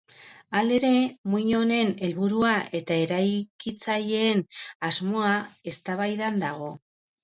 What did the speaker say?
Halere, muino honen helburua eta eraikitzaileen asmoa eztabaidan dago.